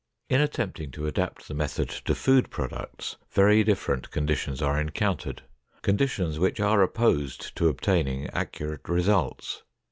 In attempting to adapt the method to food products, very different conditions are encountered—conditions which are opposed to obtaining accurate results.